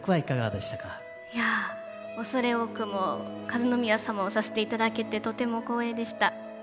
いや恐れ多くも和宮さまをさせて頂けてとても光栄でした。